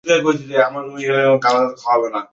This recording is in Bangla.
আচ্ছা, দুর্গার পড়াশুনার ব্যাপারে কিছু ভেবেছিস?